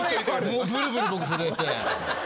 もうブルブル僕震えて。